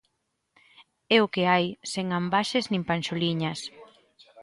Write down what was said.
É o que hai, sen ambaxes nin panxoliñas.